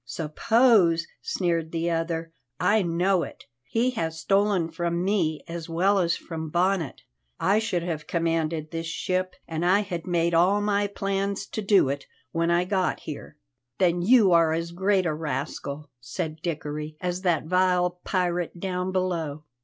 "Suppose!" sneered the other, "I know it. He has stolen from me as well as from Bonnet. I should have commanded this ship, and I had made all my plans to do it when I got here." "Then you are as great a rascal," said Dickory, "as that vile pirate down below."